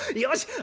よし！